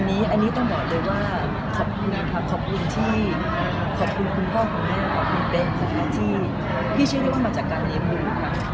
อันนี้ต้องบอกเลยว่าขอบคุณนะคะขอบคุณที่ขอบคุณคุณพ่อคุณแม่ขอบคุณเป็นสถานที่ที่เชื่อได้ว่ามาจากการเลี้ยงดูค่ะ